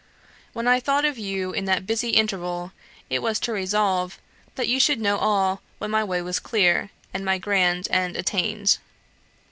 When I thought of you in that busy interval, it was to resolve, that you should know all when my way was clear, and my grand end attained.